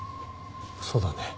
そうだね。